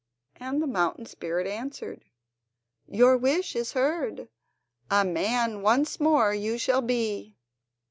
And the mountain spirit answered: "Your wish is heard. A man once more you shall be!"